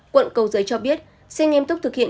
quận cầu giấy cho biết sẽ nghiêm túc thực hiện